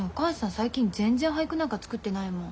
最近全然俳句なんか作ってないもん。